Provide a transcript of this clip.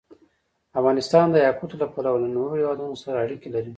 افغانستان د یاقوت له پلوه له نورو هېوادونو سره اړیکې لري.